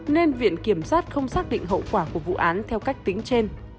nên viện kiểm sát không xác định hậu quả của vụ án theo cách tính trên